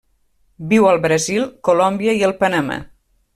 Viu al Brasil, Colòmbia i el Panamà.